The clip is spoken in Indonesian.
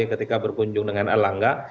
ketika berkunjung dengan erlangga